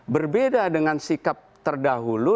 berbeda dengan sikap terdahulu